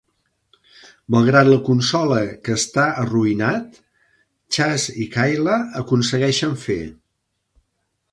Malgrat la consola que està arruïnat, Chazz i Kayla aconsegueixen fer.